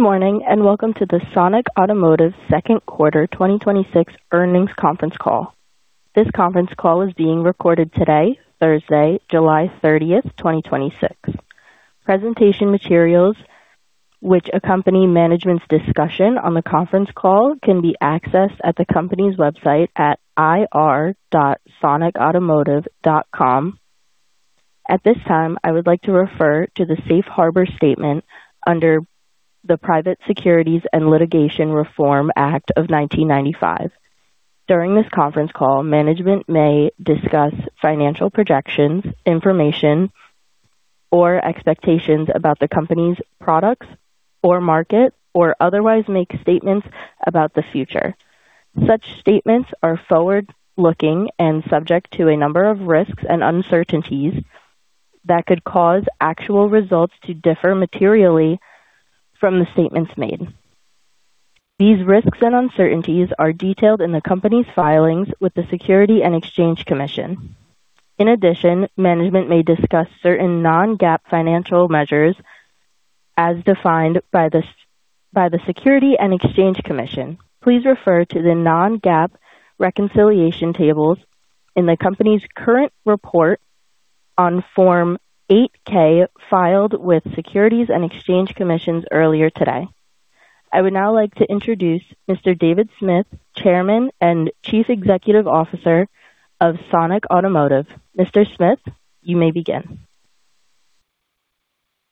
Good morning, welcome to the Sonic Automotive second quarter 2026 earnings conference call. This conference call is being recorded today, Thursday, July 30, 2026. Presentation materials which accompany management's discussion on the conference call can be accessed at the company's website at ir.sonicautomotive.com. At this time, I would like to refer to the safe harbor statement under the Private Securities Litigation Reform Act of 1995. During this conference call, management may discuss financial projections, information, or expectations about the company's products or market, or otherwise make statements about the future. Such statements are forward-looking and subject to a number of risks and uncertainties that could cause actual results to differ materially from the statements made. These risks and uncertainties are detailed in the company's filings with the Securities and Exchange Commission. In addition, management may discuss certain non-GAAP financial measures as defined by the Securities and Exchange Commission. Please refer to the non-GAAP reconciliation tables in the company's current report on Form 8-K filed with the Securities and Exchange Commission earlier today. I would now like to introduce Mr. David Smith, Chairman and Chief Executive Officer of Sonic Automotive. Mr. Smith, you may begin.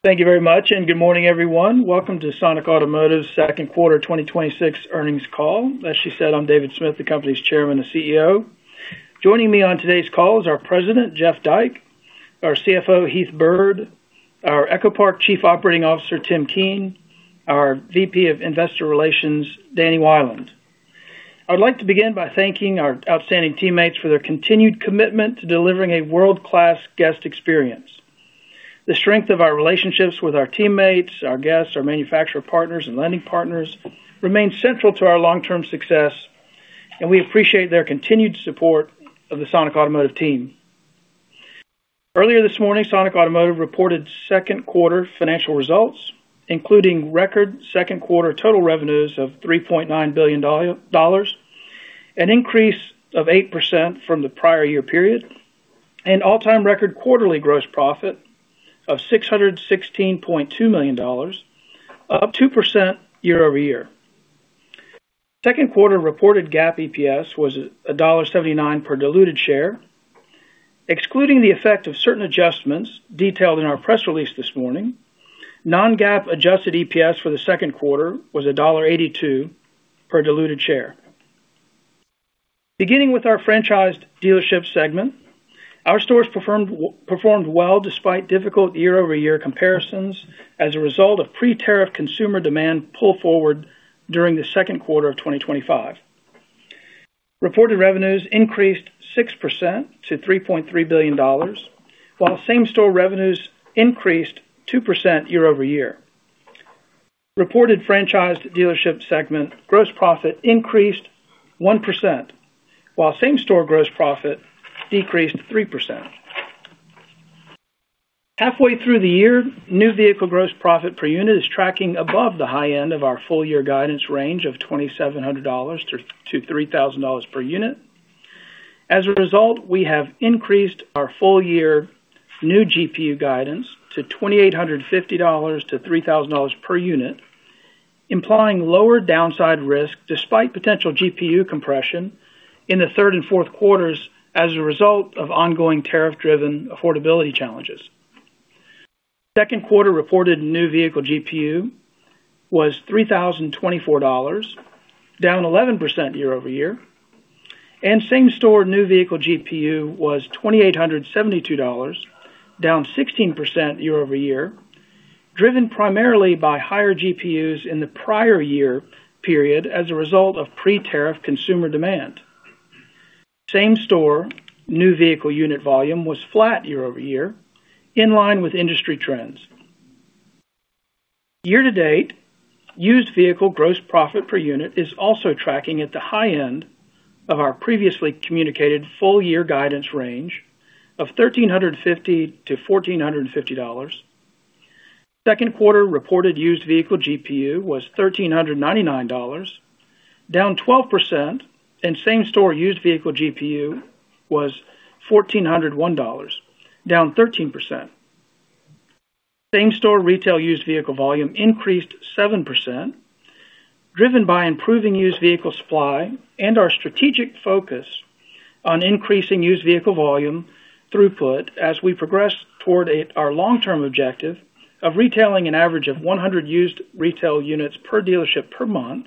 Thank you very much, good morning, everyone. Welcome to Sonic Automotive's second quarter 2026 earnings call. As she said, I'm David Smith, the company's Chairman and CEO. Joining me on today's call is our President, Jeff Dyke, our CFO, Heath Byrd, our EchoPark Chief Operating Officer, Tim Keen, our VP of Investor Relations, Danny Wieland. I would like to begin by thanking our outstanding teammates for their continued commitment to delivering a world-class guest experience. The strength of our relationships with our teammates, our guests, our manufacturer partners, and lending partners remains central to our long-term success, and we appreciate their continued support of the Sonic Automotive team. Earlier this morning, Sonic Automotive reported second quarter financial results, including record second quarter total revenues of $3.9 billion, an increase of 8% from the prior year period, and all-time record quarterly gross profit of $616.2 million, up 2% year-over-year. Second quarter reported GAAP EPS was $1.79 per diluted share. Excluding the effect of certain adjustments detailed in our press release this morning, non-GAAP adjusted EPS for the second quarter was $1.82 per diluted share. Beginning with our franchised dealership segment, our stores performed well despite difficult year-over-year comparisons as a result of pre-tariff consumer demand pull forward during the second quarter of 2025. Reported revenues increased 6% to $3.3 billion, while same-store revenues increased 2% year-over-year. Reported franchised dealership segment gross profit increased 1%, while same-store gross profit decreased 3%. Halfway through the year, new vehicle gross profit per unit is tracking above the high end of our full-year guidance range of $2,700-$3,000 per unit. As a result, we have increased our full-year new GPU guidance to $2,850-$3,000 per unit, implying lower downside risk despite potential GPU compression in the third and fourth quarters as a result of ongoing tariff-driven affordability challenges. Second quarter reported new vehicle GPU was $3,024, down 11% year-over-year, same-store new vehicle GPU was $2,872, down 16% year-over-year, driven primarily by higher GPUs in the prior year period as a result of pre-tariff consumer demand. Same-store new vehicle unit volume was flat year-over-year, in line with industry trends. Year-to-date, used vehicle gross profit per unit is also tracking at the high end of our previously communicated full-year guidance range of $1,350-$1,450. Second quarter reported used vehicle GPU was $1,399, down 12%, same-store used vehicle GPU was $1,401, down 13%. Same-store retail used vehicle volume increased 7%, driven by improving used vehicle supply and our strategic focus on increasing used vehicle volume throughput as we progress toward our long-term objective of retailing an average of 100 used retail units per dealership per month,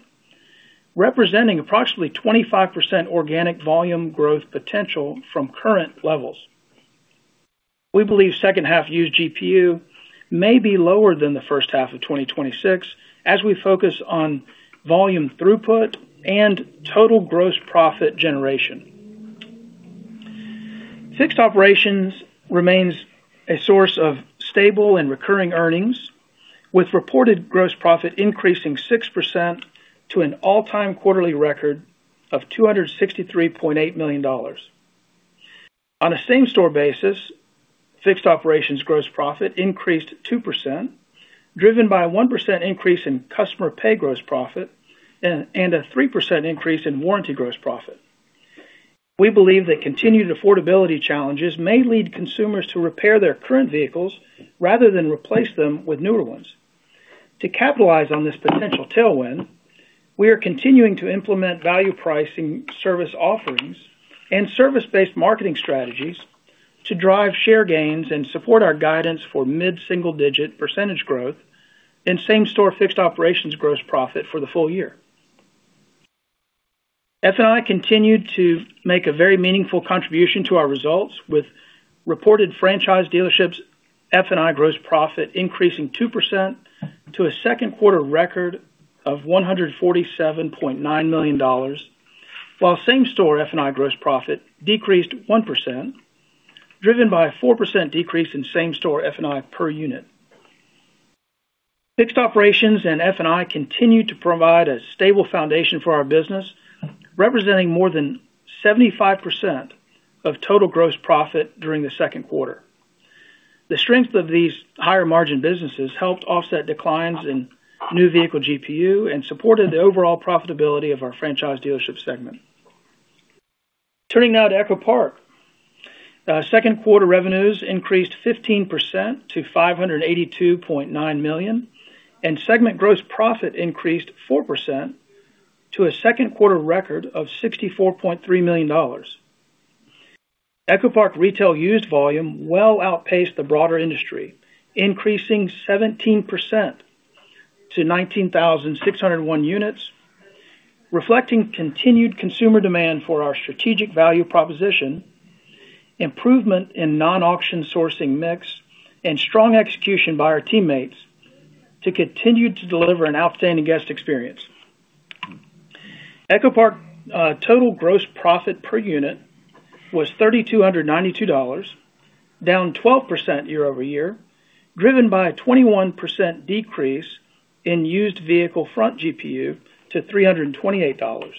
representing approximately 25% organic volume growth potential from current levels. We believe second half used GPU may be lower than the first half of 2026 as we focus on volume throughput and total gross profit generation. Fixed operations remains a source of stable and recurring earnings, with reported gross profit increasing 6% to an all-time quarterly record of $263.8 million. On a same-store basis, fixed operations gross profit increased 2%, driven by a 1% increase in customer pay gross profit and a 3% increase in warranty gross profit. We believe that continued affordability challenges may lead consumers to repair their current vehicles rather than replace them with newer ones. To capitalize on this potential tailwind, we are continuing to implement value pricing service offerings and service-based marketing strategies to drive share gains and support our guidance for mid-single-digit percentage growth in same-store fixed operations gross profit for the full-year. F&I continued to make a very meaningful contribution to our results, with reported franchise dealerships F&I gross profit increasing 2% to a second quarter record of $147.9 million, while same-store F&I gross profit decreased 1%, driven by a 4% decrease in same-store F&I per unit. Fixed operations and F&I continue to provide a stable foundation for our business, representing more than 75% of total gross profit during the second quarter. The strength of these higher-margin businesses helped offset declines in new vehicle GPU and supported the overall profitability of our franchise dealership segment. Turning now to EchoPark. Second quarter revenues increased 15% to $582.9 million, segment gross profit increased 4% to a second quarter record of $64.3 million. EchoPark retail used volume well outpaced the broader industry, increasing 17% to 19,601 units, reflecting continued consumer demand for our strategic value proposition, improvement in non-auction sourcing mix, and strong execution by our teammates to continue to deliver an outstanding guest experience. EchoPark total gross profit per unit was $3,292, down 12% year-over-year, driven by a 21% decrease in used vehicle front GPU to $328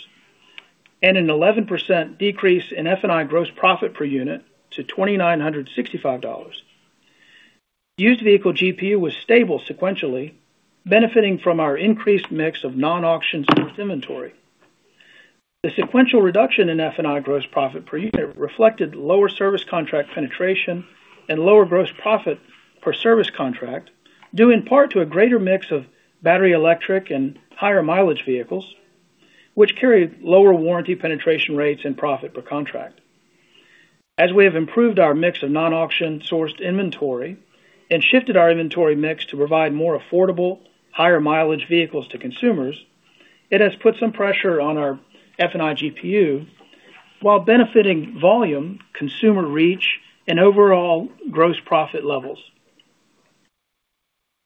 and an 11% decrease in F&I gross profit per unit to $2,965. Used vehicle GPU was stable sequentially, benefiting from our increased mix of non-auction sourced inventory. The sequential reduction in F&I gross profit per unit reflected lower service contract penetration and lower gross profit per service contract, due in part to a greater mix of battery, electric, and higher mileage vehicles, which carry lower warranty penetration rates and profit per contract. As we have improved our mix of non-auction sourced inventory and shifted our inventory mix to provide more affordable, higher mileage vehicles to consumers, it has put some pressure on our F&I GPU while benefiting volume, consumer reach, and overall gross profit levels.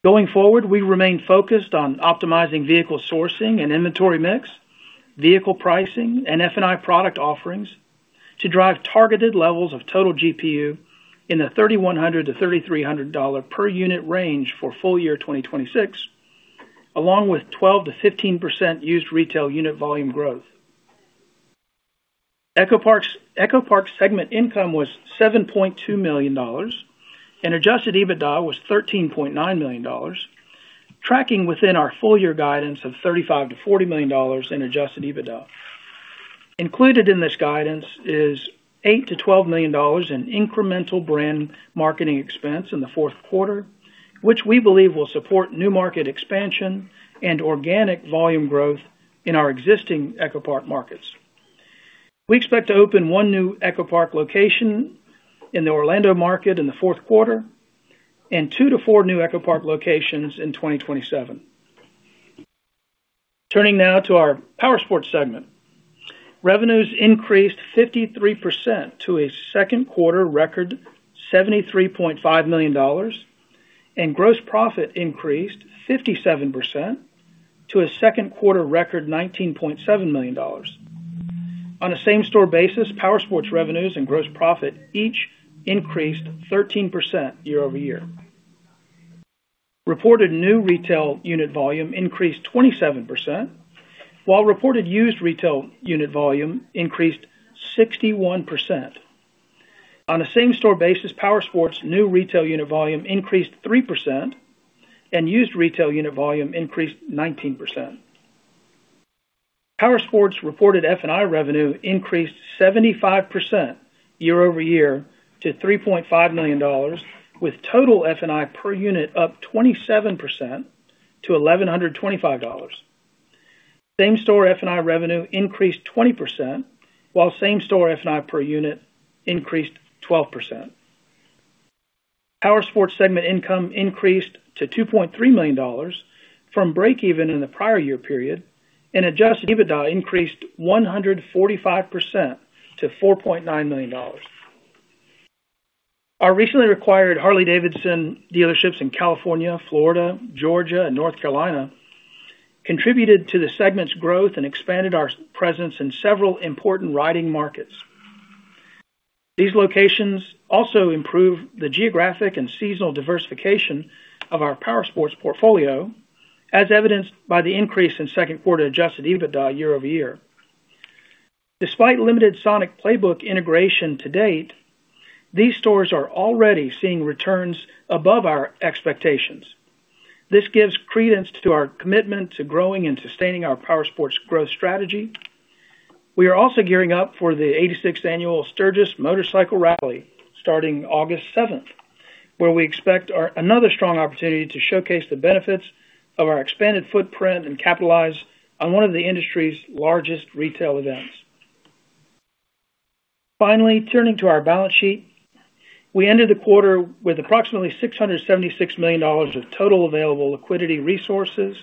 Going forward, we remain focused on optimizing vehicle sourcing and inventory mix, vehicle pricing, and F&I product offerings to drive targeted levels of total GPU in the $3,100-$3,300 per unit range for full-year 2026, along with 12%-15% used retail unit volume growth. EchoPark's segment income was $7.2 million and adjusted EBITDA was $13.9 million, tracking within our full-year guidance of $35 million-$40 million in adjusted EBITDA. Included in this guidance is $8 million-$12 million in incremental brand marketing expense in the fourth quarter, which we believe will support new market expansion and organic volume growth in our existing EchoPark markets. We expect to open one new EchoPark location in the Orlando market in the fourth quarter and two to four new EchoPark locations in 2027. Turning now to our Powersports segment. Revenues increased 53% to a second quarter record $73.5 million, and gross profit increased 57% to a second quarter record $19.7 million. On a same-store basis, Powersports revenues and gross profit each increased 13% year-over-year. Reported new retail unit volume increased 27%, while reported used retail unit volume increased 61%. On a same-store basis, Powersports new retail unit volume increased 3% and used retail unit volume increased 19%. Powersports reported F&I revenue increased 75% year-over-year to $3.5 million, with total F&I per unit up 27% to $1,125. Same-store F&I revenue increased 20%, while same-store F&I per unit increased 12%. Powersports segment income increased to $2.3 million from break even in the prior year period and adjusted EBITDA increased 145% to $4.9 million. Our recently acquired Harley-Davidson dealerships in California, Florida, Georgia, and North Carolina contributed to the segment's growth and expanded our presence in several important riding markets. These locations also improve the geographic and seasonal diversification of our Powersports portfolio As evidenced by the increase in second quarter adjusted EBITDA year-over-year. Despite limited Sonic playbook integration to date, these stores are already seeing returns above our expectations. This gives credence to our commitment to growing and sustaining our Powersports growth strategy. We are also gearing up for the 86th Annual Sturgis Motorcycle Rally starting August 7th, where we expect another strong opportunity to showcase the benefits of our expanded footprint and capitalize on one of the industry's largest retail events. Finally, turning to our balance sheet. We ended the quarter with approximately $676 million of total available liquidity resources,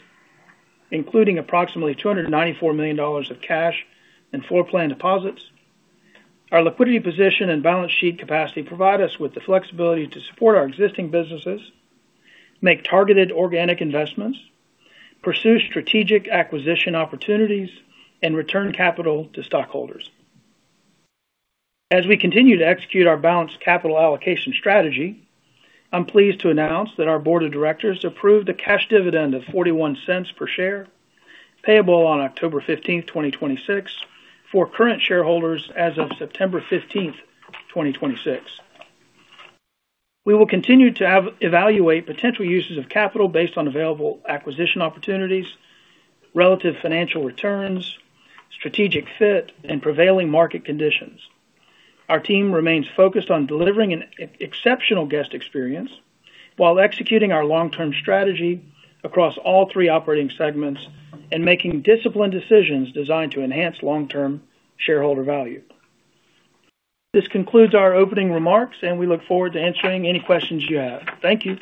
including approximately $294 million of cash and floor plan deposits. Our liquidity position and balance sheet capacity provide us with the flexibility to support our existing businesses, make targeted organic investments, pursue strategic acquisition opportunities, and return capital to stockholders. As we continue to execute our balanced capital allocation strategy, I'm pleased to announce that our board of directors approved a cash dividend of $0.41 per share, payable on October 15th, 2026 for current shareholders as of September 15th, 2026. We will continue to evaluate potential uses of capital based on available acquisition opportunities, relative financial returns, strategic fit, and prevailing market conditions. Our team remains focused on delivering an exceptional guest experience while executing our long-term strategy across all three operating segments and making disciplined decisions designed to enhance long-term shareholder value. This concludes our opening remarks, and we look forward to answering any questions you have. Thank you.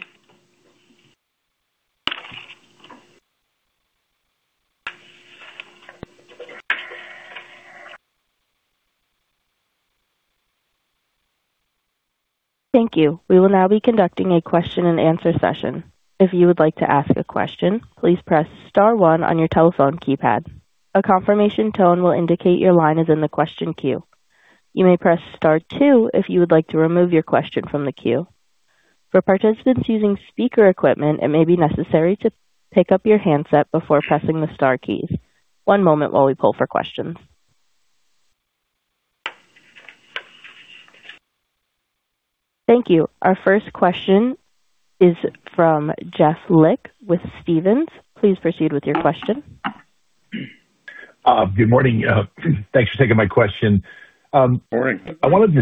Thank you. We will now be conducting a question and answer session. If you would like to ask a question, please press star one on your telephone keypad. A confirmation tone will indicate your line is in the question queue. You may press star two if you would like to remove your question from the queue. For participants using speaker equipment, it may be necessary to pick up your handset before pressing the star keys. One moment while we pull for questions. Thank you. Our first question is from Jeff Lick with Stephens. Please proceed with your question. Good morning. Thanks for taking my question. Morning. I wanted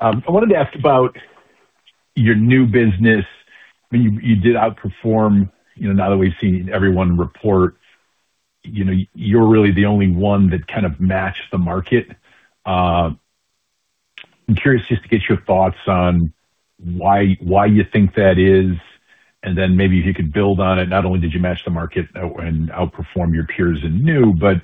to ask about your new business. You did outperform, now that we've seen everyone report, you're really the only one that kind of matched the market. I'm curious just to get your thoughts on why you think that is, and then maybe if you could build on it. Not only did you match the market and outperform your peers in new, but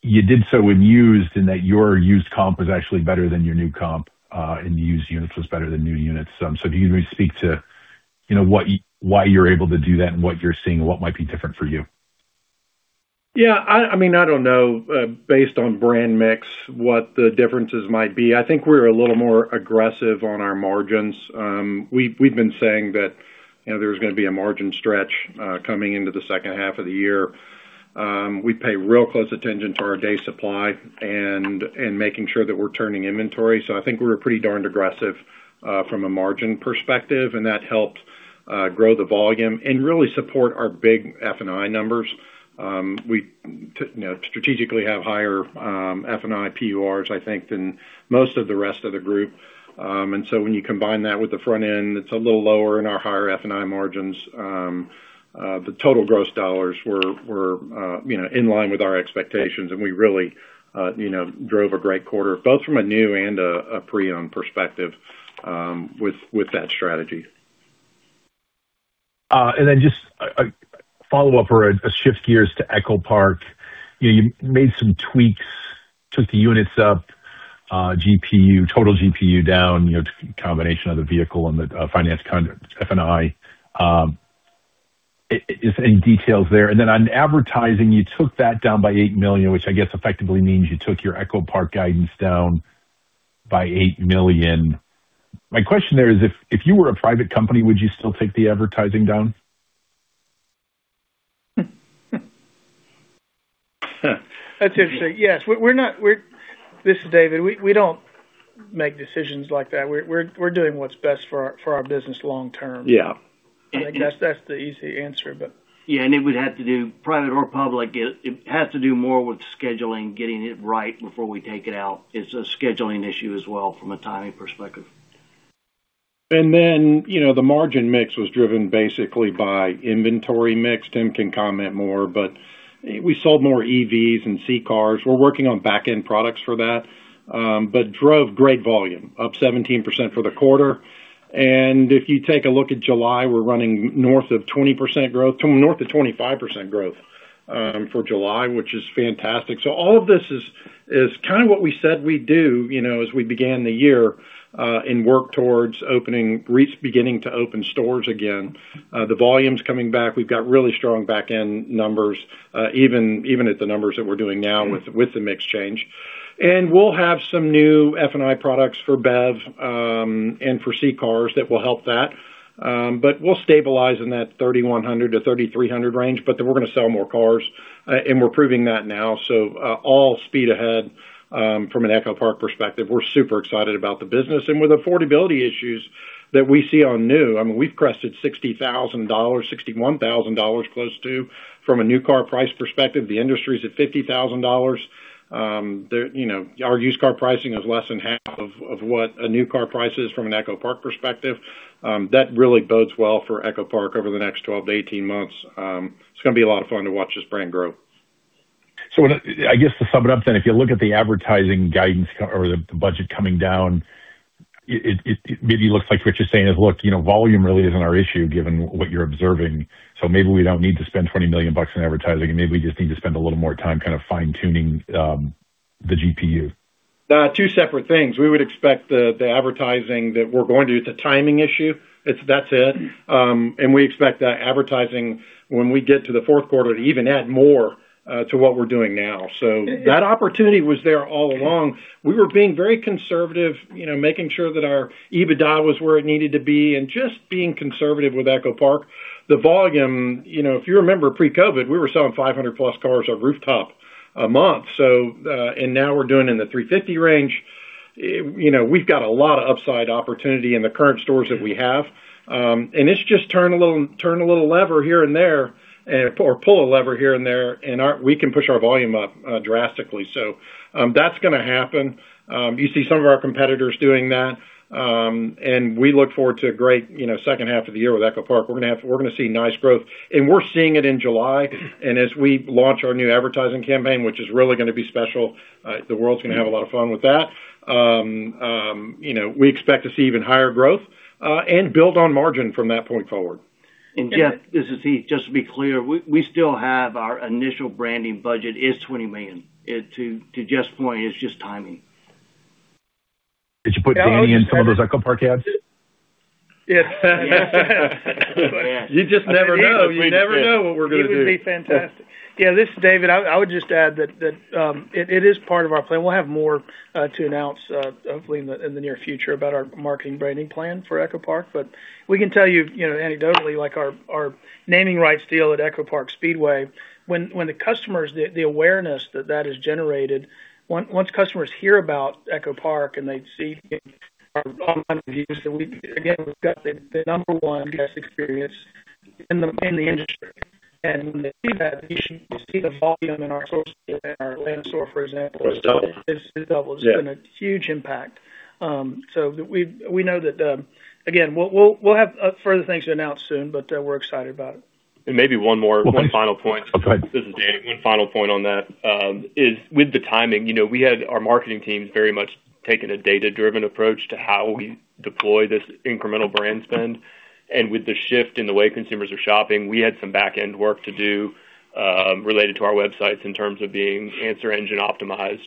you did so in used and that your used comp was actually better than your new comp, and used units was better than new units. If you could maybe speak to why you're able to do that and what you're seeing and what might be different for you. I don't know, based on brand mix, what the differences might be. I think we're a little more aggressive on our margins. We've been saying that there's going to be a margin stretch coming into the second half of the year. We pay real close attention to our days supply and making sure that we're turning inventory. I think we're pretty darned aggressive from a margin perspective, and that helped grow the volume and really support our big F&I numbers. We strategically have higher F&I PVRs, I think, than most of the rest of the group. When you combine that with the front end, it's a little lower in our higher F&I margins. The total gross dollars were in line with our expectations, and we really drove a great quarter, both from a new and a pre-owned perspective with that strategy. Just a follow-up or a shift gears to EchoPark. You made some tweaks, took the units up, total GPU down, combination of the vehicle and the finance F&I. Any details there? On advertising, you took that down by $8 million, which I guess effectively means you took your EchoPark guidance down by $8 million. My question there is, if you were a private company, would you still take the advertising down? That's interesting. Yes. This is David. We don't make decisions like that. We're doing what's best for our business long term. Yeah. I think that's the easy answer but Yeah, it would have to do private or public, it has to do more with scheduling, getting it right before we take it out. It's a scheduling issue as well from a timing perspective. The margin mix was driven basically by inventory mix. Tim can comment more, we sold more EVs and C-segment cars. We're working on back-end products for that. Drove great volume, up 17% for the quarter. If you take a look at July, we're running north of 20% growth, north of 25% growth for July, which is fantastic. All of this is kind of what we said we'd do as we began the year and work towards beginning to open stores again. The volume's coming back. We've got really strong back-end numbers, even at the numbers that we're doing now with the mix change. We'll have some new F&I products for BEV and for C-segment cars that will help that. We'll stabilize in that $3,100-$3,300 range, we're going to sell more cars, and we're proving that now. All speed ahead from an EchoPark perspective. We're super excited about the business. With affordability issues that we see on new, we've crested $60,000, $61,000 close to, from a new car price perspective. The industry is at $50,000. Our used car pricing is less than half of what a new car price is from an EchoPark perspective. That really bodes well for EchoPark over the next 12-18 months. It's going to be a lot of fun to watch this brand grow. I guess to sum it up then, if you look at the advertising guidance or the budget coming down, it maybe looks like what you're saying is, look, volume really isn't our issue given what you're observing. Maybe we don't need to spend $20 million in advertising, maybe we just need to spend a little more time kind of fine-tuning the GPU. Two separate things. We would expect the advertising that we're going to, it's a timing issue. That's it. We expect that advertising, when we get to the fourth quarter, to even add more to what we're doing now. That opportunity was there all along. We were being very conservative, making sure that our EBITDA was where it needed to be and just being conservative with EchoPark. The volume, if you remember pre-COVID, we were selling 500+ cars of rooftop a month. Now we're doing in the 350 range. We've got a lot of upside opportunity in the current stores that we have. It's just turn a little lever here and there, or pull a lever here and there, and we can push our volume up drastically. That's going to happen. You see some of our competitors doing that, and we look forward to a great second half of the year with EchoPark. We're going to see nice growth, and we're seeing it in July. As we launch our new advertising campaign, which is really going to be special, the world's going to have a lot of fun with that. We expect to see even higher growth, and build on margin from that point forward. Jeff, this is Heath. Just to be clear, we still have our initial branding budget is $20 million. To Jeff's point, it's just timing. Did you put Danny in some of those EchoPark ads? You just never know. You never know what we're going to do. He would be fantastic. This is David. I would just add that it is part of our plan. We'll have more to announce, hopefully, in the near future about our marketing branding plan for EchoPark. We can tell you anecdotally, like our naming rights deal at EchoPark Speedway, when the customers, the awareness that that has generated, once customers hear about EchoPark and they see our online reviews, again, we've got the number one guest experience in the industry. When they see that, you should see the volume in our store. In our Atlanta store, for example- It's doubled Yeah. It's been a huge impact. We know that, again, we'll have further things to announce soon, but we're excited about it. Maybe one final point. Okay. This is Danny. One final point on that is with the timing, we had our marketing teams very much taking a data-driven approach to how we deploy this incremental brand spend. With the shift in the way consumers are shopping, we had some back-end work to do related to our websites in terms of being answer engine optimized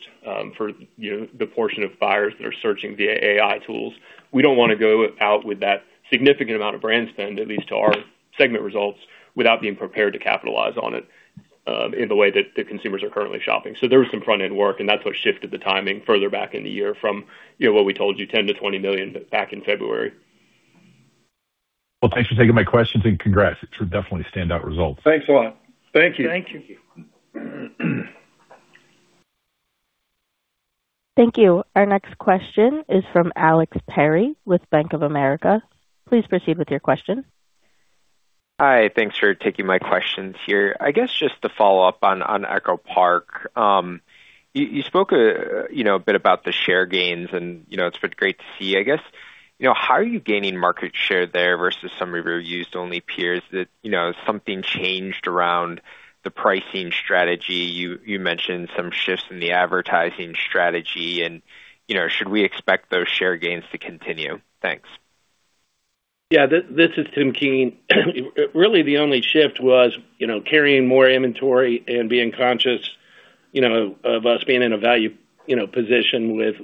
for the portion of buyers that are searching via AI tools. We don't want to go out with that significant amount of brand spend, at least to our segment results, without being prepared to capitalize on it in the way that the consumers are currently shopping. There was some front-end work, and that's what shifted the timing further back in the year from what we told you, $10 million-$20 million back in February. Well, thanks for taking my questions, and congrats. It's definitely standout results. Thanks a lot. Thank you. Thank you. Thank you. Thank you. Our next question is from Alex Perry with Bank of America. Please proceed with your question. Hi. Thanks for taking my questions here. I guess just to follow up on EchoPark. You spoke a bit about the share gains, and it's been great to see. I guess, how are you gaining market share there versus some of your used-only peers that something changed around the pricing strategy? You mentioned some shifts in the advertising strategy. Should we expect those share gains to continue? Thanks. Yeah, this is Tim Keen. Really the only shift was carrying more inventory and being conscious of us being in a value position with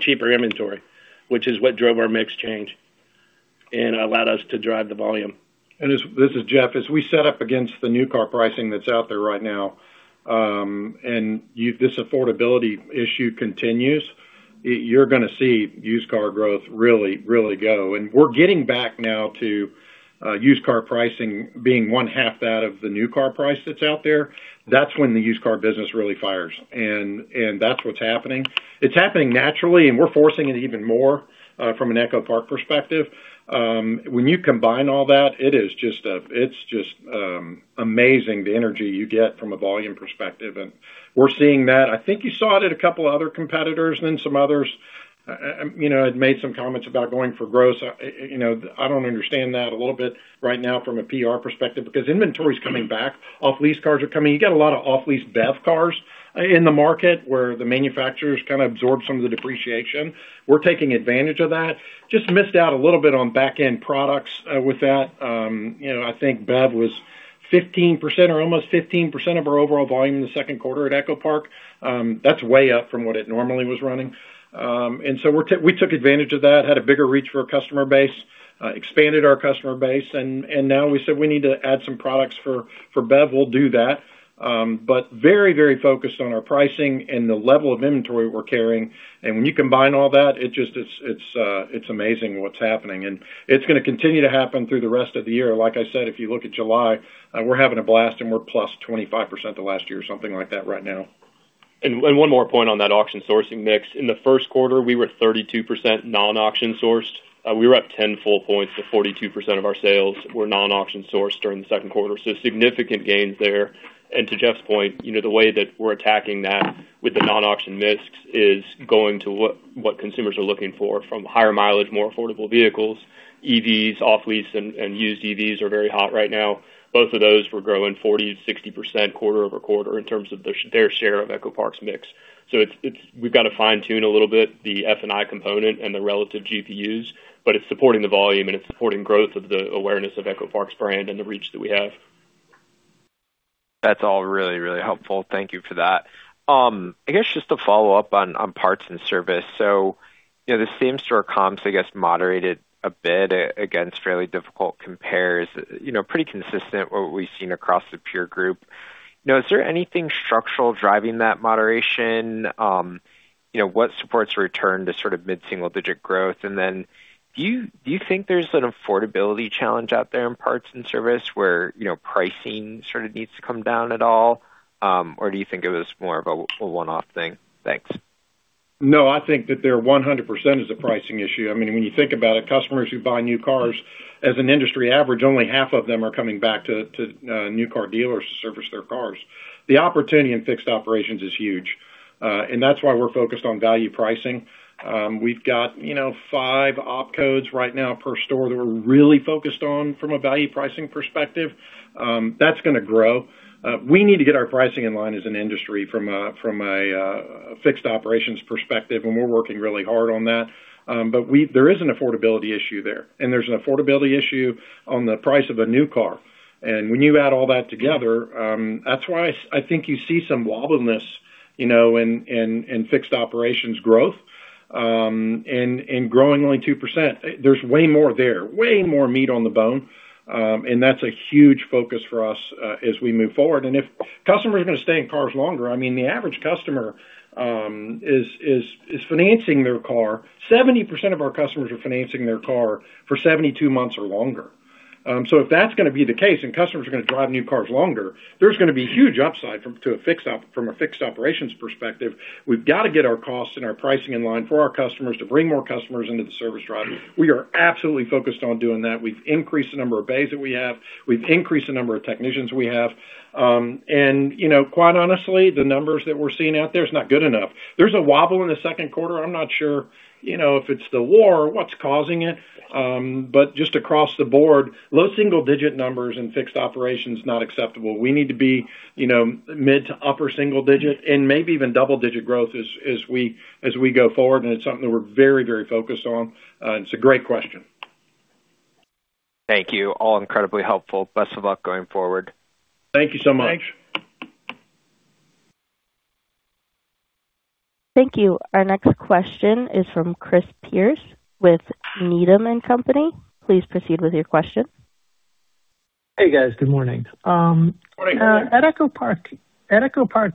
cheaper inventory, which is what drove our mix change and allowed us to drive the volume. This is Jeff. As we set up against the new car pricing that's out there right now, this affordability issue continues, you're going to see used car growth really, really go. We're getting back now to used car pricing being one half that of the new car price that's out there. That's when the used car business really fires. That's what's happening. It's happening naturally. We're forcing it even more from an EchoPark perspective. When you combine all that, it's just amazing the energy you get from a volume perspective. We're seeing that. I think you saw it at a couple other competitors. Some others had made some comments about going for gross. I don't understand that a little bit right now from a PR perspective, because inventory's coming back. Off-lease cars are coming. You got a lot of off-lease BEV cars in the market where the manufacturers kind of absorb some of the depreciation. We're taking advantage of that. Just missed out a little bit on back-end products with that. I think BEV was 15% or almost 15% of our overall volume in the second quarter at EchoPark. That's way up from what it normally was running. We took advantage of that, had a bigger reach for our customer base, expanded our customer base. Now we said we need to add some products for BEV. We'll do that. Very focused on our pricing and the level of inventory we're carrying. When you combine all that, it's amazing what's happening. It's going to continue to happen through the rest of the year. Like I said, if you look at July, we're having a blast and we're plus 25% to last year or something like that right now. One more point on that auction sourcing mix. In the first quarter, we were 32% non-auction sourced. We were up 10 full points to 42% of our sales were non-auction sourced during the second quarter. Significant gains there. To Jeff's point, the way that we're attacking that with the non-auction mix is going to what consumers are looking for from higher mileage, more affordable vehicles, EVs, off lease, and used EVs are very hot right now. Both of those were growing 40%-60% quarter-over-quarter in terms of their share of EchoPark's mix. We've got to fine tune a little bit the F&I component and the relative GPUs, but it's supporting the volume and it's supporting growth of the awareness of EchoPark's brand and the reach that we have. That's all really helpful. Thank you for that. I guess just to follow up on parts and service. The same-store comps, I guess, moderated a bit against fairly difficult compares. Pretty consistent what we've seen across the peer group. Is there anything structural driving that moderation? What supports a return to mid-single digit growth? Do you think there's an affordability challenge out there in parts and service where pricing sort of needs to come down at all? Or do you think it was more of a one-off thing? Thanks. No, I think that they're 100% is a pricing issue. When you think about it, customers who buy new cars as an industry average, only half of them are coming back to new car dealers to service their cars. The opportunity in fixed operations is huge. That's why we're focused on value pricing. We've got five op codes right now per store that we're really focused on from a value pricing perspective. That's going to grow. We need to get our pricing in line as an industry from a fixed operations perspective, and we're working really hard on that. There is an affordability issue there, and there's an affordability issue on the price of a new car. When you add all that together, that's why I think you see some wobbliness in fixed operations growth, and growing only 2%. There's way more there, way more meat on the bone. That's a huge focus for us as we move forward. If customers are going to stay in cars longer, the average customer is financing their car. 70% of our customers are financing their car for 72 months or longer. If that's going to be the case and customers are going to drive new cars longer, there's going to be huge upside from a fixed operations perspective. We've got to get our costs and our pricing in line for our customers to bring more customers into the service drive. We are absolutely focused on doing that. We've increased the number of bays that we have. We've increased the number of technicians we have. Quite honestly, the numbers that we're seeing out there is not good enough. There's a wobble in the second quarter. I'm not sure if it's the war or what's causing it. Just across the board, low single digit numbers in fixed operations is not acceptable. We need to be mid to upper single digit and maybe even double digit growth as we go forward, and it's something we're very focused on. It's a great question. Thank you. All incredibly helpful. Best of luck going forward. Thank you so much. Thanks. Thank you. Our next question is from Chris Pierce with Needham & Company. Please proceed with your question. Hey, guys. Good morning. Good morning. At EchoPark,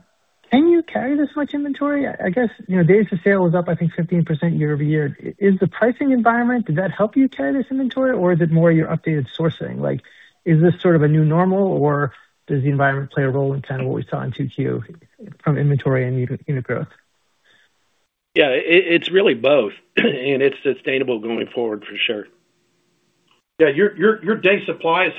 can you carry this much inventory? I guess, days to sale is up, I think, 15% year-over-year. Is the pricing environment, did that help you carry this inventory, or is it more your updated sourcing? Is this sort of a new normal, or does the environment play a role in kind of what we saw in Q2 from inventory and unit growth? It's really both and it's sustainable going forward for sure. Your days supply is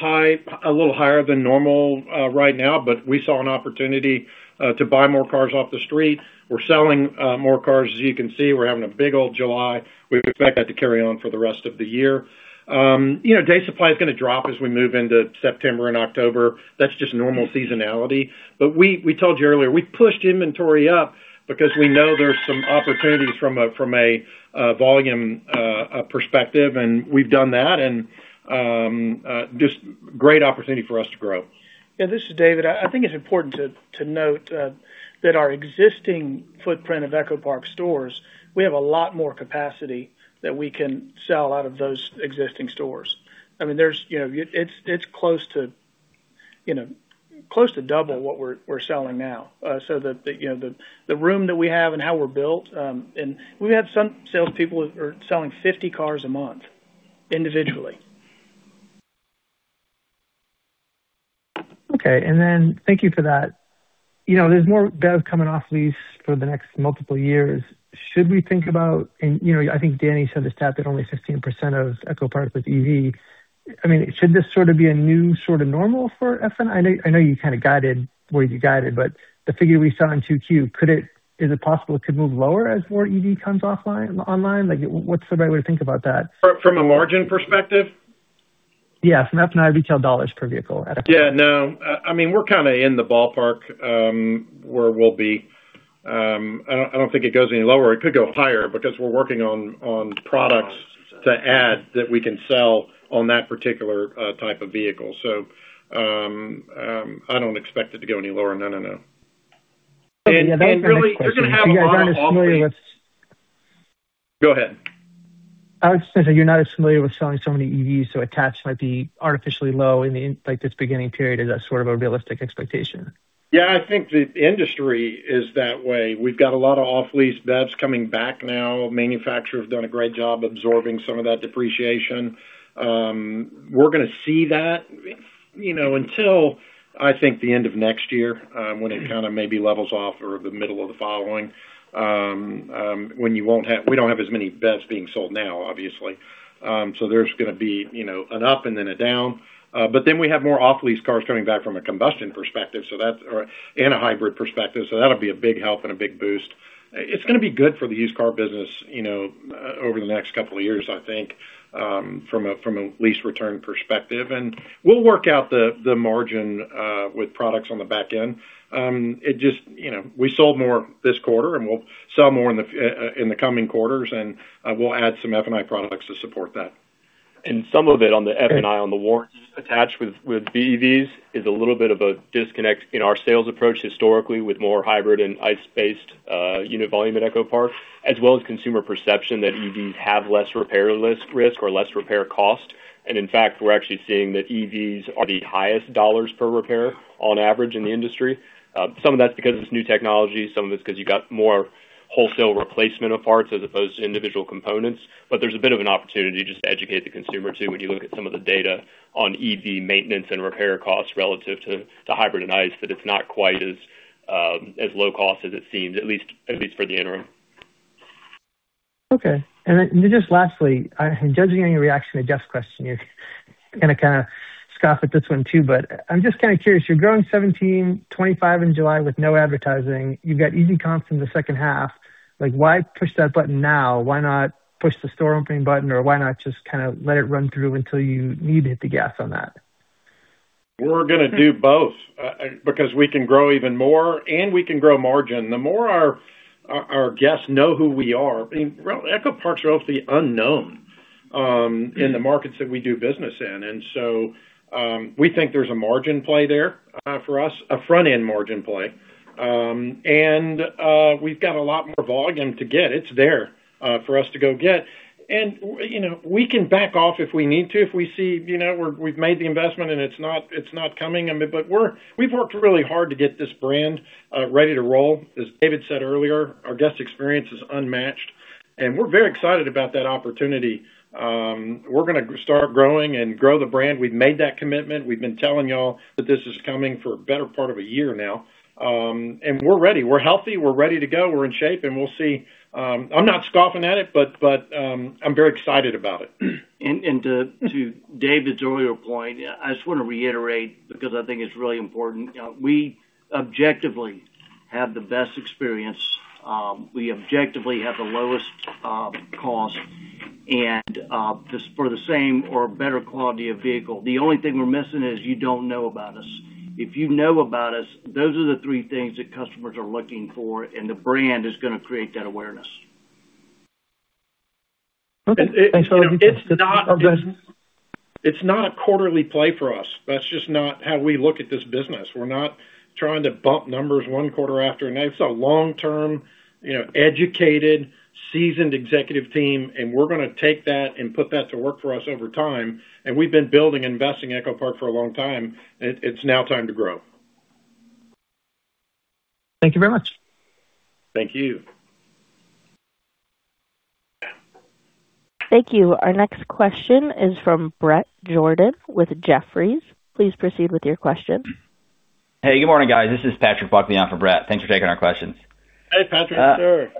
a little higher than normal right now, but we saw an opportunity to buy more cars off the street. We're selling more cars. As you can see, we're having a big old July. We expect that to carry on for the rest of the year. Day supply is going to drop as we move into September and October. That's just normal seasonality. We told you earlier, we pushed inventory up because we know there's some opportunities from a volume perspective, and we've done that, and just great opportunity for us to grow. This is David. I think it's important to note that our existing footprint of EchoPark stores, we have a lot more capacity that we can sell out of those existing stores. It's close to double what we're selling now. The room that we have and how we're built, and we have some salespeople are selling 50 cars a month individually. Thank you for that. There's more BEV coming off lease for the next multiple years. Should we think about, and I think Danny said the stat that only 16% of EchoPark was EV. Should this sort of be a new sort of normal for F&I? I know you kind of guided where you guided, the figure we saw in 2Q, is it possible it could move lower as more EV comes online? What's the right way to think about that? From a margin perspective? Yes, from F&I retail dollars per vehicle at EchoPark. Yeah, no. We're kind of in the ballpark, where we'll be. I don't think it goes any lower. It could go higher because we're working on products to add that we can sell on that particular type of vehicle. I don't expect it to go any lower. No, no. Okay. Yeah. David, I have a question. Really, you're going to have a lot of offerings. Go ahead. I would say you're not as familiar with selling so many EVs, attached might be artificially low in this beginning period. Is that sort of a realistic expectation? I think the industry is that way. We've got a lot of off-lease BEVs coming back now. Manufacturers have done a great job absorbing some of that depreciation. We're going to see that until, I think, the end of next year, when it kind of maybe levels off or the middle of the following, when we don't have as many BEVs being sold now, obviously. There's going to be an up and then a down. We have more off-lease cars coming back from a combustion perspective and a hybrid perspective. That'll be a big help and a big boost. It's going to be good for the used car business over the next couple of years, I think, from a lease return perspective. We'll work out the margin with products on the back end. We sold more this quarter, we'll sell more in the coming quarters, we'll add some F&I products to support that. Some of it on the F&I, on the warranties attached with BEVs is a little bit of a disconnect in our sales approach historically, with more hybrid and ICE-based unit volume at EchoPark, as well as consumer perception that EVs have less repair risk or less repair cost. In fact, we're actually seeing that EVs are the highest dollars per repair on average in the industry. Some of that is because it's new technology, some of it's because you got more wholesale replacement of parts as opposed to individual components. There's a bit of an opportunity just to educate the consumer, too, when you look at some of the data on EV maintenance and repair costs relative to hybrid and ICE, that it's not quite as low cost as it seems, at least for the interim. Okay. Just lastly, judging on your reaction to Jeff's question, you're going to kind of scoff at this one, too. I'm just kind of curious, you're growing 17, 25 in July with no advertising. You've got easy comps in the second half. Why push that button now? Why not push the store opening button, or why not just kind of let it run through until you need to hit the gas on that? We're going to do both because we can grow even more, and we can grow margin. The more our guests know who we are, EchoPark's relatively unknown in the markets that we do business in. We think there's a margin play there for us, a front-end margin play. We've got a lot more volume to get. It's there for us to go get. We can back off if we need to, if we see we've made the investment and it's not coming. We've worked really hard to get this brand ready to roll. As David said earlier, our guest experience is unmatched, and we're very excited about that opportunity. We're going to start growing and grow the brand. We've made that commitment. We've been telling you all that this is coming for a better part of a year now. We're ready. We're healthy. We're ready to go. We're in shape, and we'll see. I'm not scoffing at it, I'm very excited about it. To David's earlier point, I just want to reiterate, because I think it's really important. We objectively have the best experience. We objectively have the lowest cost for the same or better quality of vehicle. The only thing we're missing is you don't know about us. If you know about us, those are the three things that customers are looking for, and the brand is going to create that awareness. Okay. Thanks a lot. It's not a quarterly play for us. That's just not how we look at this business. We're not trying to bump numbers one quarter after another. It's a long-term, educated, seasoned executive team, and we're going to take that and put that to work for us over time. We've been building and investing in EchoPark for a long time. It's now time to grow. Thank you very much. Thank you. Thank you. Our next question is from Bret Jordan with Jefferies. Please proceed with your question. Hey, good morning, guys. This is Patrick Buckley for Brett. Thanks for taking our questions. Hey, Patrick. Sure.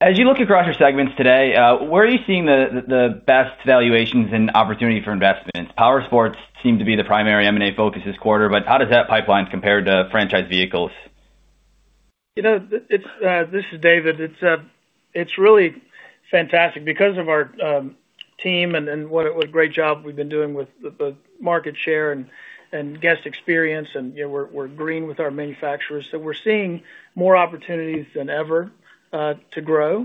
As you look across your segments today, where are you seeing the best valuations and opportunity for investment? Powersports seem to be the primary M&A focus this quarter, but how does that pipeline compare to franchise vehicles? This is David. It's really fantastic because of our team and what a great job we've been doing with the market share and guest experience, and we're green with our manufacturers. We're seeing more opportunities than ever to grow,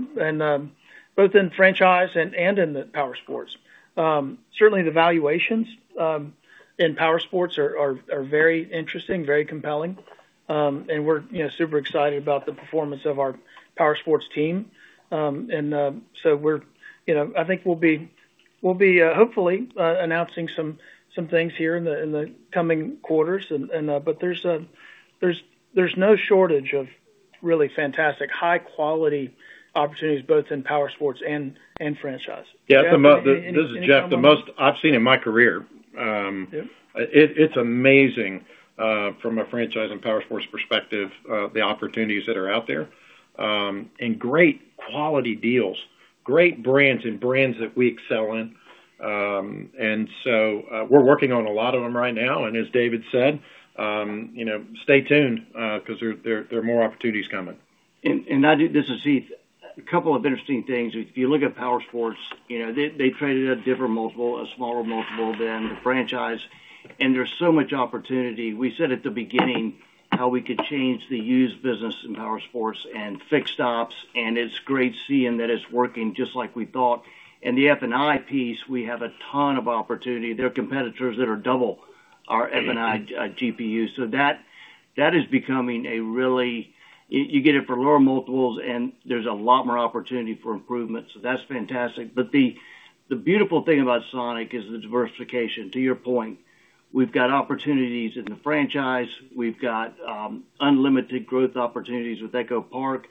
both in franchise and in the Powersports. Certainly, the valuations in Powersports are very interesting, very compelling. We're super excited about the performance of our Powersports team. I think we'll be hopefully announcing some things here in the coming quarters. There's no shortage of really fantastic high-quality opportunities, both in Powersports and franchise. Jeff, any comments? This is Jeff. The most I've seen in my career. Yeah. It's amazing from a franchise and Powersports perspective, the opportunities that are out there, and great quality deals, great brands, and brands that we excel in. We're working on a lot of them right now, and as David said, stay tuned because there are more opportunities coming. This is Heath. A couple of interesting things. If you look at Powersports, they traded at different multiple, a smaller multiple than the franchise, and there's so much opportunity. We said at the beginning how we could change the used business in Powersports and fixed ops, and it's great seeing that it's working just like we thought. In the F&I piece, we have a ton of opportunity. There are competitors that are double our F&I GPU. You get it for lower multiples, and there's a lot more opportunity for improvement. That's fantastic. The beautiful thing about Sonic is the diversification. To your point, we've got opportunities in the franchise. We've got unlimited growth opportunities with EchoPark,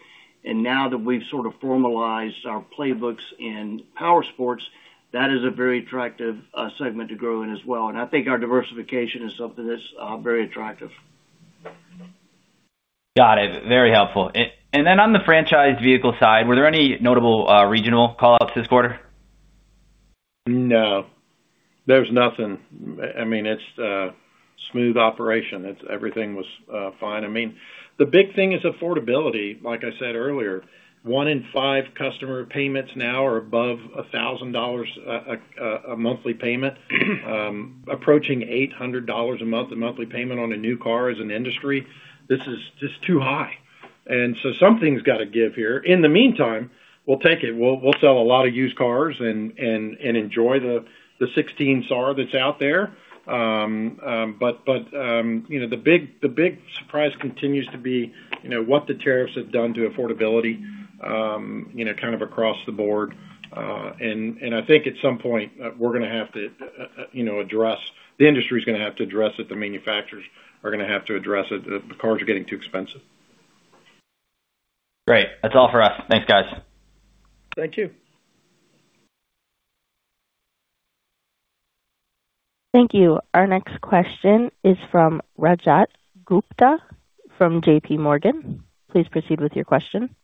and now that we've sort of formalized our playbooks in Powersports, that is a very attractive segment to grow in as well. I think our diversification is something that's very attractive. Got it. Very helpful. Then on the franchise vehicle side, were there any notable regional call-outs this quarter? No. There's nothing. It's a smooth operation. Everything was fine. The big thing is affordability. Like I said earlier, one in five customer payments now are above $1,000 a monthly payment. Approaching $800 a month, a monthly payment on a new car as an industry, this is just too high. Something's got to give here. In the meantime, we'll take it. We'll sell a lot of used cars and enjoy the 16 SAR that's out there. The big surprise continues to be what the tariffs have done to affordability, kind of across the board. I think at some point, the industry's going to have to address it, the manufacturers are going to have to address it. The cars are getting too expensive. Great. That's all for us. Thanks, guys. Thank you. Thank you. Our next question is from Rajat Gupta from JPMorgan. Please proceed with your question.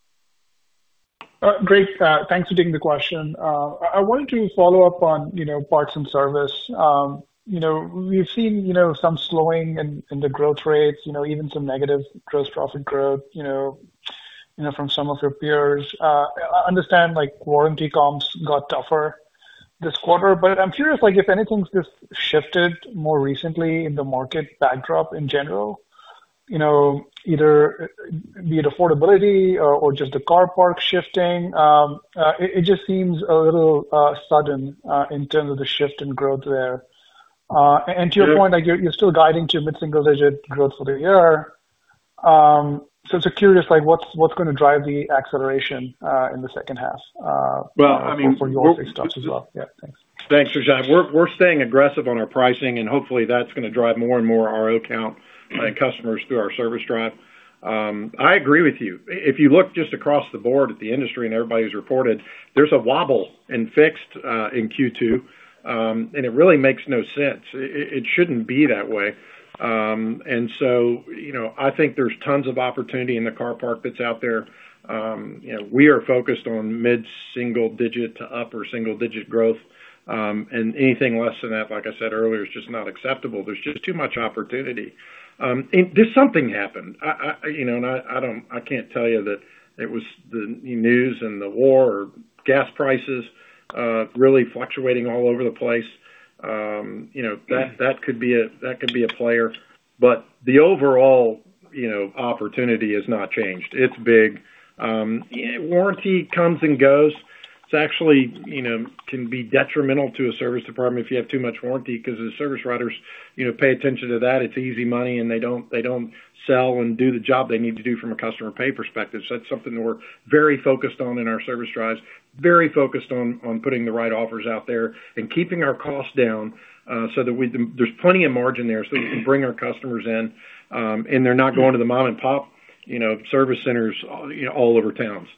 Great. Thanks for taking the question. I wanted to follow up on parts and service. We've seen some slowing in the growth rates, even some negative gross profit growth from some of your peers. I understand warranty comps got tougher this quarter, but I'm curious if anything's just shifted more recently in the market backdrop in general, either be it affordability or just the car park shifting. It just seems a little sudden in terms of the shift in growth there. To your point, you're still guiding to mid-single-digit growth for the year. Just curious, what's going to drive the acceleration in the second half? Well, I mean- For your fixed ops as well? Yeah, thanks. Thanks, Rajat. We're staying aggressive on our pricing, hopefully, that's going to drive more and more RO count and customers through our service drive. I agree with you. If you look just across the board at the industry and everybody's reported, there's a wobble in fixed in Q2, and it really makes no sense. It shouldn't be that way. I think there's tons of opportunity in the car park that's out there. We are focused on mid-single digit to upper single-digit growth. Anything less than that, like I said earlier, is just not acceptable. There's just too much opportunity. Something happened. I can't tell you that it was the news and the war or gas prices really fluctuating all over the place. That could be a player. The overall opportunity has not changed. It's big. Warranty comes and goes. It actually can be detrimental to a service department if you have too much warranty because the service writers pay attention to that. It's easy money, and they don't sell and do the job they need to do from a customer pay perspective. That's something that we're very focused on in our service drives, very focused on putting the right offers out there, and keeping our costs down so that there's plenty of margin there so we can bring our customers in, and they're not going to the mom-and-pop service centers all over towns.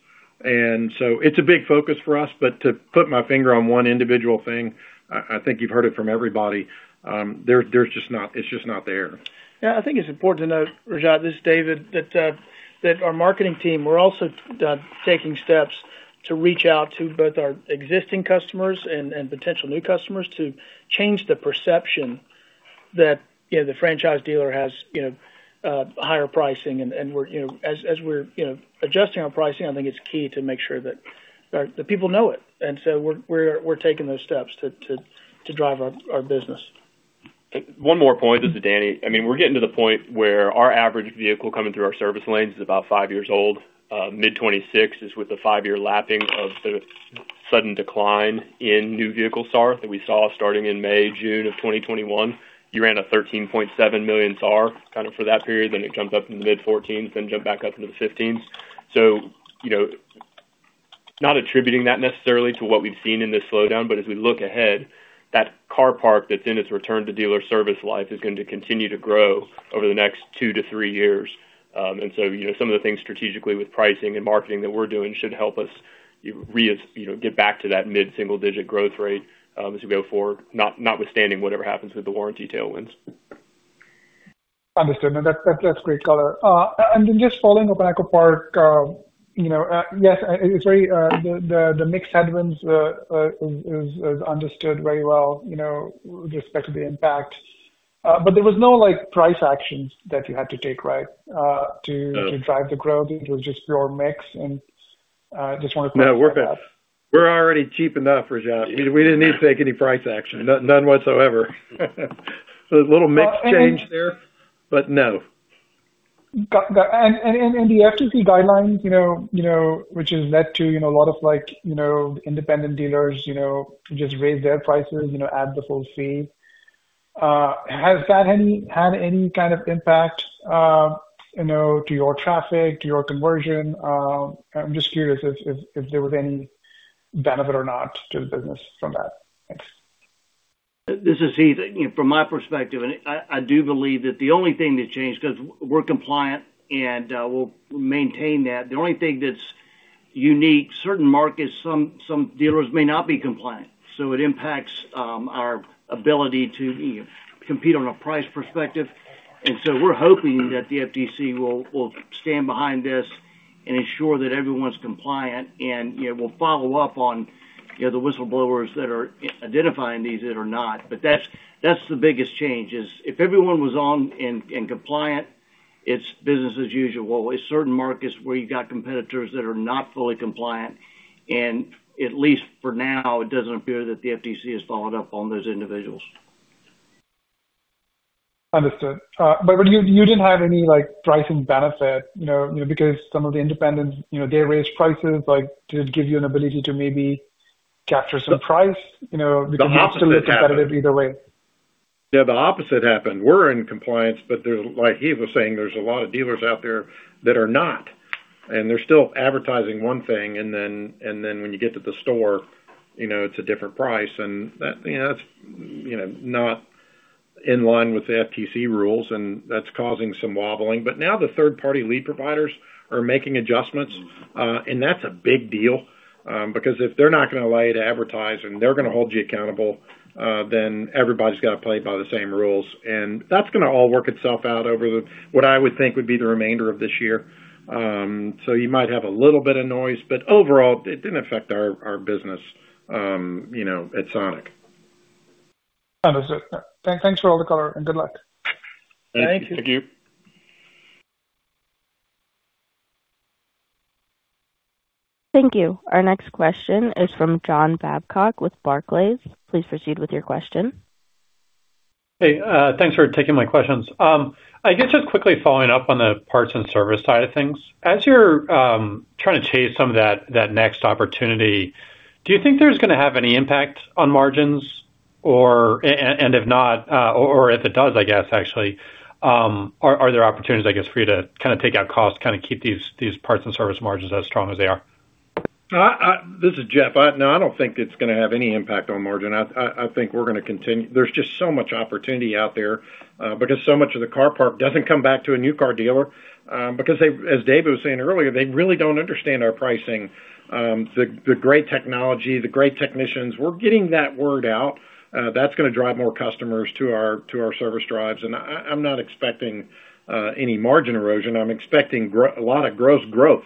It's a big focus for us. To put my finger on one individual thing, I think you've heard it from everybody, it's just not there. Yeah, I think it's important to note, Rajat, this is David, that our marketing team, we're also taking steps to reach out to both our existing customers and potential new customers to change the perception that the franchise dealer has higher pricing. As we're adjusting our pricing, I think it's key to make sure that the people know it. We're taking those steps to drive our business. One more point. This is Danny. We're getting to the point where our average vehicle coming through our service lanes is about five years old. Mid 2026 is with a five-year lapping of the sudden decline in new vehicle SAR that we saw starting in May, June of 2021. You ran a 13.7 million SAR kind of for that period, then it jumped up into the mid-14s, then jumped back up into the 15s. Not attributing that necessarily to what we've seen in this slowdown, but as we look ahead, that car park that's in its return to dealer service life is going to continue to grow over the next two to three years. Some of the things strategically with pricing and marketing that we're doing should help us get back to that mid-single-digit growth rate as we go forward, notwithstanding whatever happens with the warranty tailwinds. Understood. No, that's great color. Then just following up on EchoPark. Yes, the mixed headwinds is understood very well with respect to the impact. There was no price actions that you had to take, right? No. To drive the growth. It was just pure mix, I just want to clarify that. No, we're past. We're already cheap enough, Rajat. We didn't need to take any price action. None whatsoever. There's a little mix change there, but no. Got that. The FTC guidelines, which has led to a lot of independent dealers just raise their prices, add the full fee. Has that had any kind of impact to your traffic, to your conversion? I'm just curious if there was any benefit or not to the business from that. Thanks. This is Heath. From my perspective, I do believe that the only thing that changed, because we're compliant and we'll maintain that. The only thing that's unique, certain markets, some dealers may not be compliant. It impacts our ability to compete on a price perspective. We're hoping that the FTC will stand behind this and ensure that everyone's compliant, and will follow up on the whistleblowers that are identifying these that are not. That's the biggest change is if everyone was on and compliant, it's business as usual. It's certain markets where you've got competitors that are not fully compliant, and at least for now, it doesn't appear that the FTC has followed up on those individuals. Understood. You didn't have any pricing benefit because some of the independents they raised prices, like did it give you an ability to maybe capture some price? Because you're still as competitive either way. Yeah, the opposite happened. We're in compliance, but like Heath was saying, there's a lot of dealers out there that are not, and they're still advertising one thing, and then when you get to the store, it's a different price. That's not in line with the FTC rules, and that's causing some wobbling. Now the third-party lead providers are making adjustments. That's a big deal. If they're not going to allow you to advertise and they're going to hold you accountable, then everybody's got to play by the same rules. That's going to all work itself out over what I would think would be the remainder of this year. You might have a little bit of noise, but overall, it didn't affect our business at Sonic. Understood. Thanks for all the color and good luck. Thank you. Thank you. Our next question is from John Babcock with Barclays. Please proceed with your question. Hey, thanks for taking my questions. I guess just quickly following up on the parts and service side of things. As you're trying to chase some of that next opportunity, do you think there's going to have any impact on margins? If not, or if it does, I guess actually, are there opportunities, I guess, for you to kind of take out costs, kind of keep these parts and service margins as strong as they are? This is Jeff. No, I don't think it's going to have any impact on margin. I think we're going to continue. There's just so much opportunity out there because so much of the car park doesn't come back to a new car dealer. Because as David was saying earlier, they really don't understand our pricing. The great technology, the great technicians, we're getting that word out. That's going to drive more customers to our service drives, and I'm not expecting any margin erosion. I'm expecting a lot of gross growth.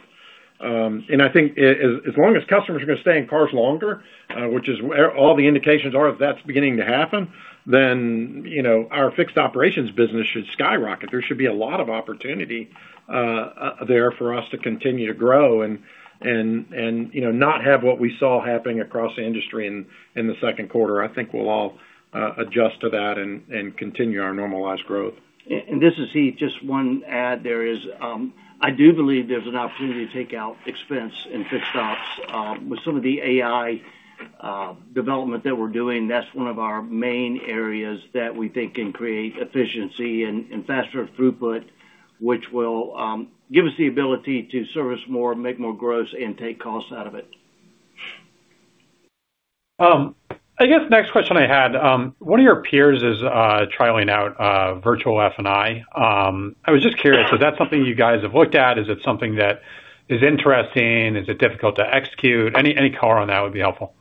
I think as long as customers are going to stay in cars longer, which is where all the indications are, if that's beginning to happen, then our fixed operations business should skyrocket. There should be a lot of opportunity there for us to continue to grow and not have what we saw happening across the industry in the second quarter. I think we'll all adjust to that and continue our normalized growth. This is Heath, just one add there is, I do believe there's an opportunity to take out expense in fixed ops. With some of the AI development that we're doing, that's one of our main areas that we think can create efficiency and faster throughput, which will give us the ability to service more, make more gross, and take costs out of it. I guess next question I had. One of your peers is trialing out virtual F&I. I was just curious, is that something you guys have looked at? Is it something that is interesting? Is it difficult to execute? Any comment on that would be helpful.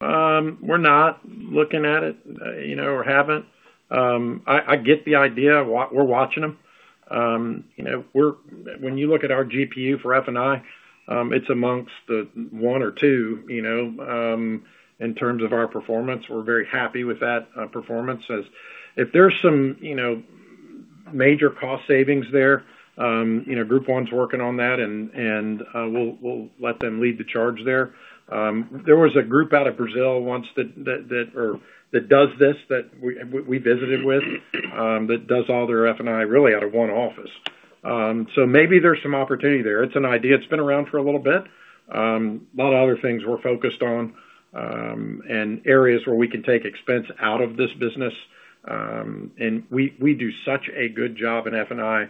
We're not looking at it or haven't. I get the idea. We're watching them. When you look at our GPU for F&I, it's amongst the one or two in terms of our performance. We're very happy with that performance. If there's some major cost savings there, Group One's working on that, and we'll let them lead the charge there. There was a group out of Brazil once that does this, that we visited with, that does all their F&I really out of one office. Maybe there's some opportunity there. It's an idea. It's been around for a little bit. A lot of other things we're focused on, and areas where we can take expense out of this business. We do such a good job in F&I.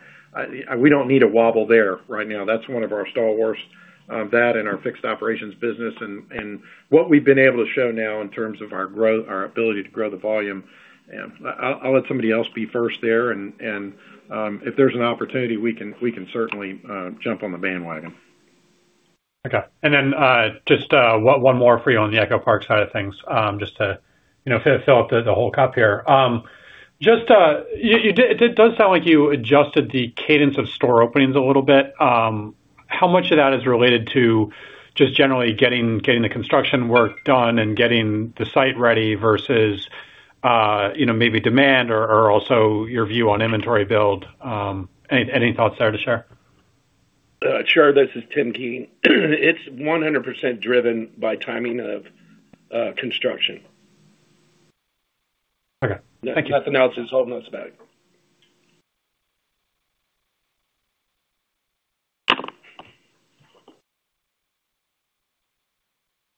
We don't need a wobble there right now. That's one of our stalwarts. That and our fixed operations business and what we've been able to show now in terms of our ability to grow the volume. I'll let somebody else be first there, and if there's an opportunity, we can certainly jump on the bandwagon. Okay. Then just one more for you on the EchoPark side of things, just to fill up the whole cup here. It does sound like you adjusted the cadence of store openings a little bit. How much of that is related to just generally getting the construction work done and getting the site ready versus, maybe demand or also your view on inventory build. Any thoughts there to share? Sure. This is Tim Keen. It is 100% driven by timing of construction. Okay. Thank you. Nothing else is holding us back.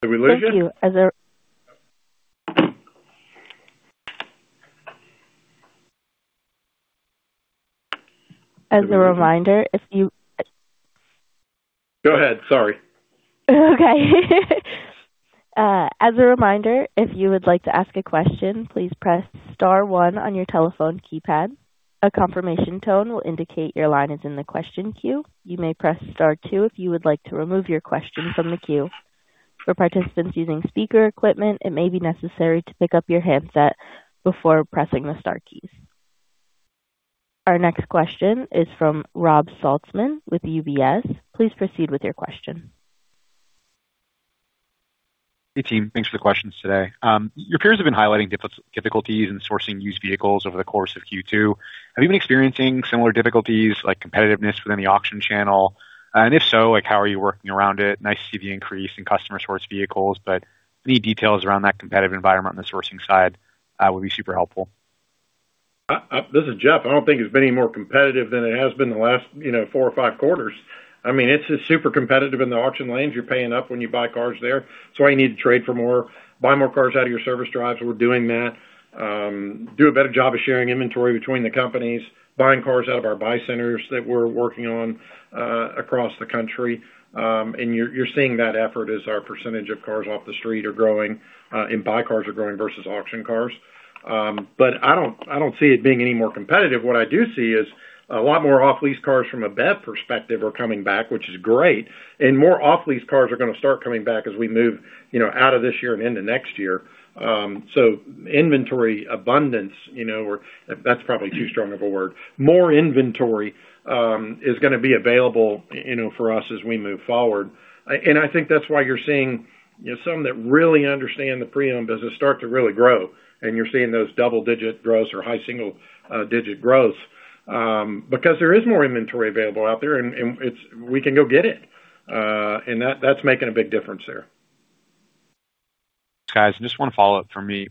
Are we losing you? Thank you. As a reminder. Go ahead, sorry. Okay. As a reminder, if you would like to ask a question, please press star one on your telephone keypad. A confirmation tone will indicate your line is in the question queue. You may press star two if you would like to remove your question from the queue. For participants using speaker equipment, it may be necessary to pick up your handset before pressing the star keys. Our next question is from Rob Saltzman with UBS. Please proceed with your question. Hey, team. Thanks for the questions today. Your peers have been highlighting difficulties in sourcing used vehicles over the course of Q2. Have you been experiencing similar difficulties, like competitiveness within the auction channel? If so, how are you working around it? Nice to see the increase in customer source vehicles, any details around that competitive environment on the sourcing side would be super helpful. This is Jeff. I don't think it's been any more competitive than it has been the last four or five quarters. It's super competitive in the auction lanes. You're paying up when you buy cars there. That's why you need to trade for more, buy more cars out of your service drives. We're doing that. Do a better job of sharing inventory between the companies, buying cars out of our buy centers that we're working on, across the country. You're seeing that effort as our percentage of cars off the street are growing, and buy cars are growing versus auction cars. I don't see it being any more competitive. What I do see is a lot more off-lease cars from a BEV perspective are coming back, which is great, more off-lease cars are going to start coming back as we move out of this year and into next year. Inventory abundance, or that's probably too strong of a word. More inventory is going to be available for us as we move forward. I think that's why you're seeing some that really understand the pre-owned business start to really grow. You're seeing those double-digit growths or high single-digit growths, because there is more inventory available out there, we can go get it. That's making a big difference there. Guys, just one follow-up from me.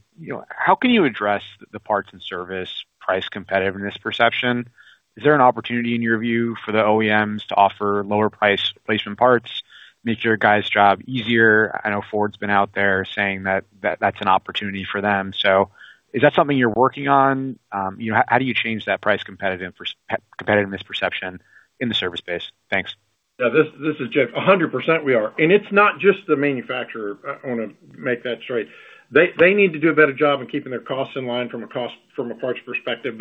How can you address the parts and service price competitiveness perception? Is there an opportunity, in your view, for the OEMs to offer lower price placement parts, make your guys' job easier? I know Ford's been out there saying that that's an opportunity for them. Is that something you're working on? How do you change that price competitiveness perception in the service space? Thanks. Yeah, this is Jeff. A 100% we are. It's not just the manufacturer, I want to make that straight. They need to do a better job of keeping their costs in line from a parts perspective.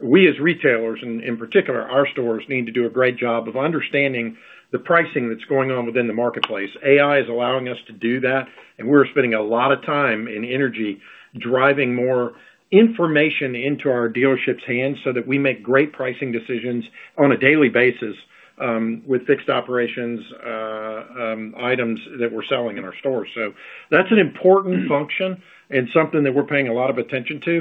We as retailers, and in particular, our stores, need to do a great job of understanding the pricing that's going on within the marketplace. AI is allowing us to do that, we're spending a lot of time and energy driving more information into our dealerships' hands so that we make great pricing decisions on a daily basis, with fixed operations items that we're selling in our stores. That's an important function and something that we're paying a lot of attention to.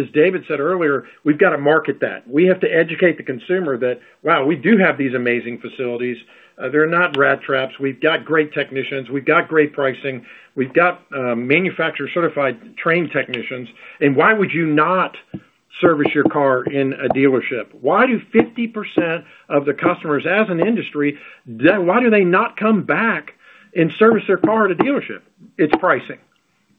As David said earlier, we've got to market that. We have to educate the consumer that, wow, we do have these amazing facilities. They're not rat traps. We've got great technicians. We've got great pricing. We've got manufacturer-certified trained technicians. Why would you not service your car in a dealership? Why do 50% of the customers, as an industry, why do they not come back and service their car at a dealership? It's pricing.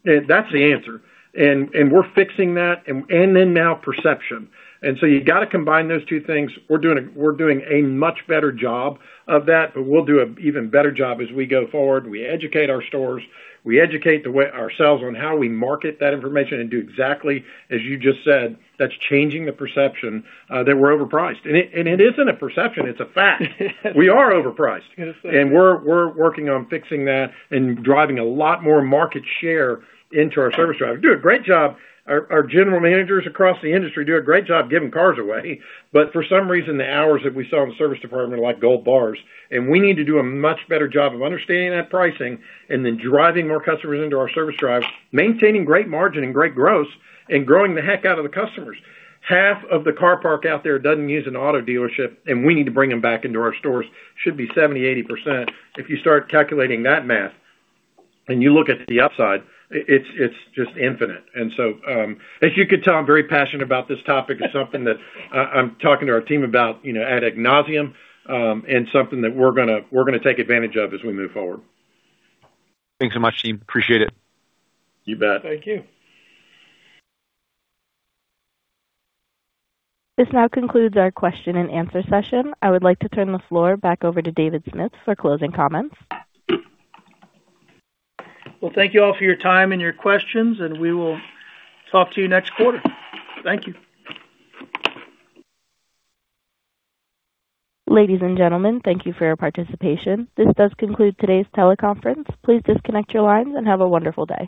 That's the answer. We're fixing that, and then now perception. You got to combine those two things. We're doing a much better job of that, we'll do an even better job as we go forward. We educate our stores. We educate ourselves on how we market that information and do exactly as you just said. That's changing the perception that we're overpriced. It isn't a perception, it's a fact. We are overpriced, we're working on fixing that and driving a lot more market share into our service drive. We do a great job. Our general managers across the industry do a great job giving cars away. For some reason, the hours that we sell in the service department are like gold bars, we need to do a much better job of understanding that pricing and then driving more customers into our service drive, maintaining great margin and great growth, and growing the heck out of the customers. Half of the car park out there doesn't use an auto dealership, we need to bring them back into our stores. Should be 70%, 80%. If you start calculating that math, you look at the upside, it's just infinite. As you can tell, I'm very passionate about this topic. It's something that I'm talking to our team about ad nauseam, something that we're going to take advantage of as we move forward. Thanks so much, team. Appreciate it. You bet. Thank you. This now concludes our question and answer session. I would like to turn the floor back over to David Smith for closing comments. Well, thank you all for your time and your questions. We will talk to you next quarter. Thank you. Ladies and gentlemen, thank you for your participation. This does conclude today's teleconference. Please disconnect your lines and have a wonderful day.